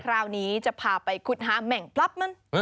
คราวนี้จะพาไปขุดหาแม่งปลอบมัน